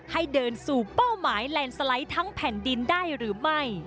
ให้เดินสู่เป้าหมายแลนด์สไลด์ทั้งแผ่นดินได้หรือไม่